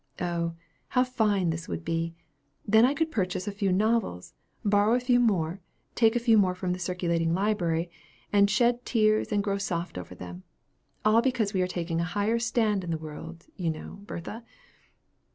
Oh, how fine this would be! Then I could purchase a few novels, borrow a few more, take a few more from a circulating library; and then shed tears and grow soft over them all because we are taking a higher stand in the world, you know, Bertha."